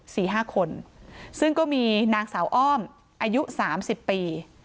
สี่ห้าคนซึ่งก็มีนางสาวอ้อมอายุสามสิบปี